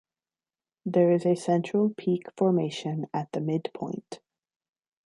There is a central peak formation at the midpoint.